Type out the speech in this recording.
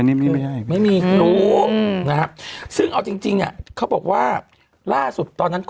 นี่ไม่ใช่ไม่มีรู้นะครับซึ่งเอาจริงจริงเนี่ยเขาบอกว่าล่าสุดตอนนั้นก็